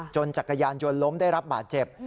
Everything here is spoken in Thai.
จักรยานยนต์ล้มได้รับบาดเจ็บ